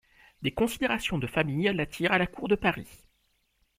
Des considérations de famille l'attirent à la Cour de Paris.